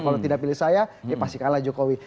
kalau tidak pilih saya dia pasti kalah jokowi